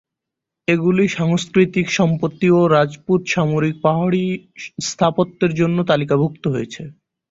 এগুলি সাংস্কৃতিক সম্পত্তি ও রাজপুত সামরিক পাহাড়ি স্থাপত্যের জন্য তালিকাভূক্ত হয়েছে।